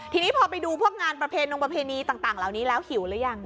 ทีนี้พอไปดูพวกงานประเพณงประเพณีต่างเหล่านี้แล้วหิวหรือยัง